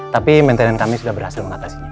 tapi maintenance kami sudah berhasil mengatasinya